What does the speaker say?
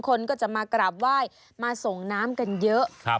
คนก็จะมากราบไหว้มาส่งน้ำกันเยอะ